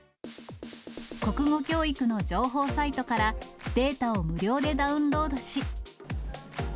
国語教育の情報サイトからデータを無料でダウンロードし。